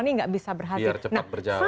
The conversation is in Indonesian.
ini nggak bisa berhasil biar cepat berjalan